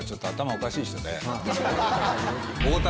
おかしい人で。